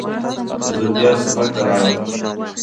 زه بیا سفر ته لاړم.